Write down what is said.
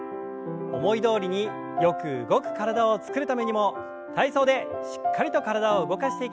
思いどおりによく動く体を作るためにも体操でしっかりと体を動かしていきましょう。